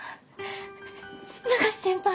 永瀬先輩！